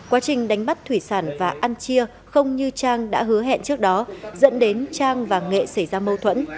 quá trình đánh bắt thủy sản và ăn chia không như trang đã hứa hẹn trước đó dẫn đến trang và nghệ xảy ra mâu thuẫn